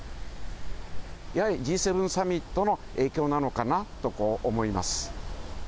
やはりＧ７サミットの影響なのかなと思います。